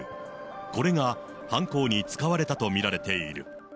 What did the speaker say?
これが犯行に使われたと見られている。